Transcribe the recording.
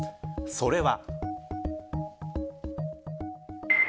それは。